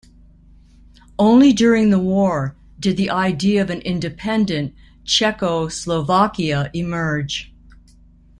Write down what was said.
Only during the war did the idea of an independent Czecho-Slovakia emerge.